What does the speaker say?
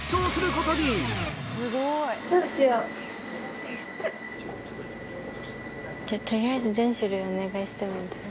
とりあえず全種類お願いしてもいいですか？